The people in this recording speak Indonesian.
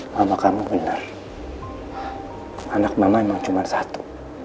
mama kamu benar anak mama memang cuma satu